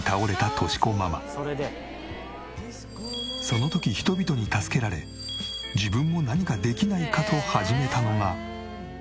その時人々に助けられ自分も何かできないかと始めたのが。